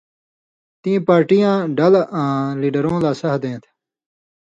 تَیں پارٹی آں ڈلہۡ آں لیڈرؤں لا سہہۡ دیں تھہ۔